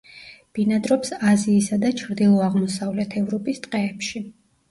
ბინადრობს აზიისა და ჩრდილო-აღმოსავლეთ ევროპის ტყეებში.